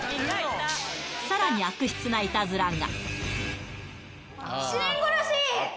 さらに悪質ないたずらが。